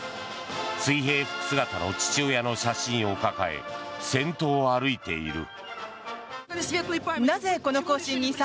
水兵服姿の父親の写真を抱え先頭を歩いている。